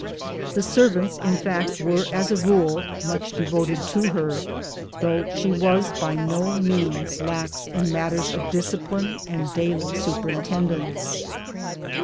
The servants in fact were as a rule much devoted to her though she was by no means lax in matters of discipline and daily superintendence